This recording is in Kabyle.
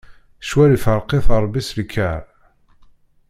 Ccwal ifṛeq-it Ṛebbi s lkaṛ.